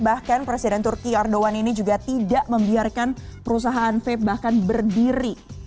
bahkan presiden turki erdogan ini juga tidak membiarkan perusahaan vape bahkan berdiri